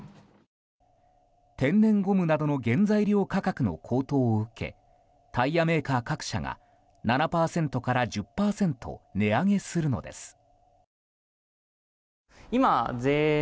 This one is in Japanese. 天然ゴムなどの原材料価格の高騰を受けタイヤメーカー各社が、７％から１０％値上げするのです。